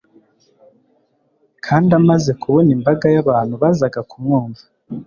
kandi amaze kubona imbaga y'abantu bazaga kumwumva,